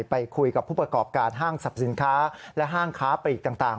ไปคุยกับผู้ประกอบการห้างสรรพสินค้าและห้างค้าปลีกต่าง